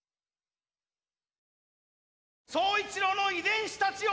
宗一郎の遺伝子たちよ！